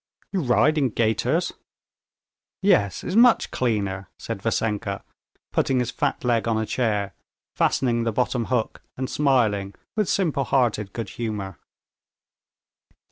"You ride in gaiters?" "Yes, it's much cleaner," said Vassenka, putting his fat leg on a chair, fastening the bottom hook, and smiling with simple hearted good humor.